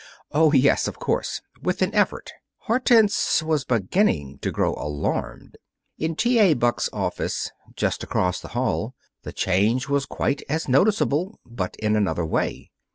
"Oh, yes, of course," with an effort. Hortense was beginning to grow alarmed. In T. A. Buck's office, just across the hall, the change was quite as noticeable, but in another way.